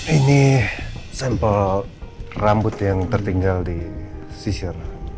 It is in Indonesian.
ini sampel rambut yang tertinggal di sisir